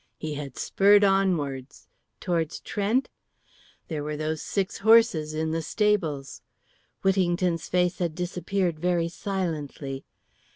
He had spurred onwards towards Trent? There were those six horses in the stables. Whittington's face had disappeared very silently.